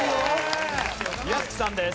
屋敷さんです。